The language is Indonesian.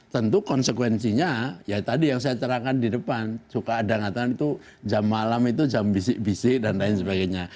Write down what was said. tentu konsekuensinya ya tadi yang saya cerahkan di depan suka ada yang mengatakan itu jam malam itu jam bisik bisik dan lain sebagainya